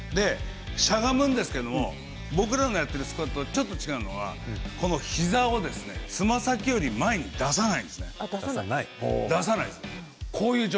しゃがむんですけど僕らのやってるスクワットはちょっと違うのは膝を、つま先より前に出さない。